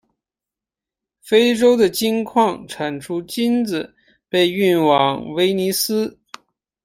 非洲的金矿产出金子被运往威尼斯。